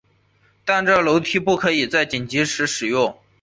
但是这楼梯不可以在紧急时使用。